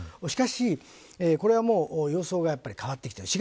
しかし、これは予想が変わってきた。